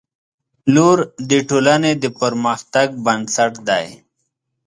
• لور د ټولنې د پرمختګ بنسټ دی.